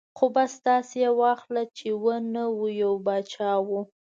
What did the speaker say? ـ خو بس داسې یې واخله چې و نه و ، یو باچا و.